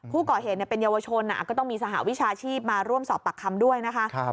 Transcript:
ผู้ก่อเหตุเป็นเยาวชนก็ต้องมีสหวิชาชีพมาร่วมสอบปากคำด้วยนะคะ